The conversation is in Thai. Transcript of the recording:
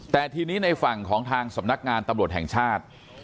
แต่ทีนี้ในฝั่งของทางสำนักงานตำรวจแห่งชาติ